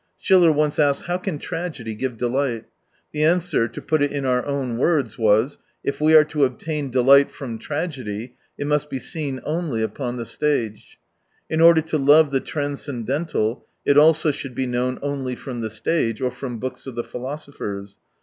Schiller once asked : How can tragedy give delight ? The answer — to put it in our own words — was : If we are to obtain delight from tragedy, it must be seen only upon the stage. — In order to love the transcendental it also should be known only from the stage, or from books of the philosophers.